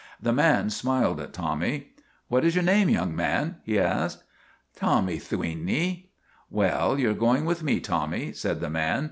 The man smiled at Tommy. ; What is your name, young man? " he asked. " Tommy Thweeney." " Well, you 're going with me, Tommy," said the man.